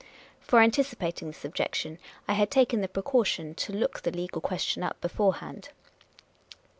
For, anticipating this objection, I had taken the precau tion to look the legal question up beforehand.